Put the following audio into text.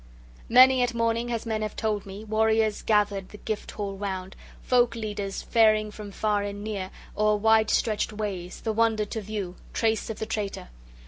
XIII MANY at morning, as men have told me, warriors gathered the gift hall round, folk leaders faring from far and near, o'er wide stretched ways, the wonder to view, trace of the traitor.